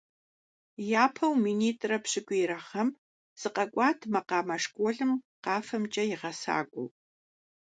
Япэу минитӀрэ пщӀыкӀуирэ гъэм сыкъэкӀуат макъамэ школым къафэмкӀэ и гъэсакӀуэу.